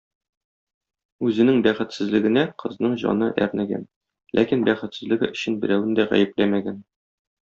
Үзенең бәхетсезлегенә кызның җаны әрнегән, ләкин бәхетсезлеге өчен берәүне дә гаепләмәгән.